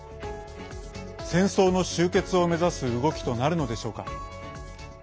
戦争の終結を目指す動きとなるのでしょうか。